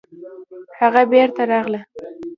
هغه بېرته راغله